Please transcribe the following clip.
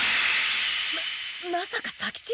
ままさか左吉？